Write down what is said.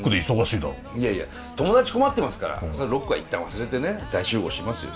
いやいや友達困ってますからロックは一旦忘れてね大集合しますよ